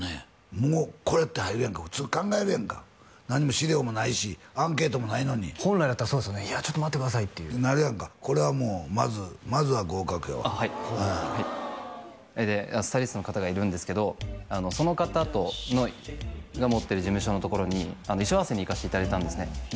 もうこれって入るやんか普通考えるやんか何も資料もないしアンケートもないのに本来だったらそうですよねいやちょっと待ってくださいっていうなるやんかこれはもうまずは合格やわでスタイリストの方がいるんですけどその方が持ってる事務所のところに衣装合わせに行かしていただいたんですね